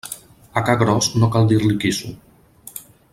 A ca gros no cal dir-li quisso.